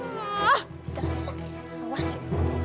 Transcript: gak usah awas ya